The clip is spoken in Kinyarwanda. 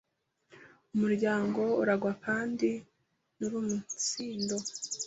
Umuryango urangwa kandi n’uruumunsindo,